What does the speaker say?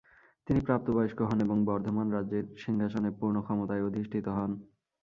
তিনি প্রাপ্তবয়স্ক হন এবং বর্ধমান রাজের সিংহাসনে পূর্ণ ক্ষমতায় অধিষ্ঠিত হন।